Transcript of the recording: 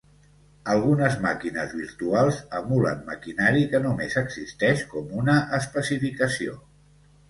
Algunes màquines virtuals emulen maquinari que només existeix com una especificació.